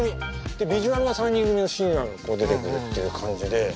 ビジュアルは３人組のシンガーが出てくるっていう感じで。